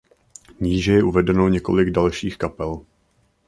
Níže je uvedeno několik dalších kapel.